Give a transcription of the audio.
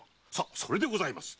それでございます。